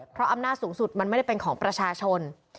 เพราะอำนาจสูงสุดมันไม่ได้เป็นของประชาชน